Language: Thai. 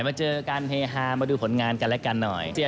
มาเจอกันเฮฮามาดูผลงานกันและกันหน่อย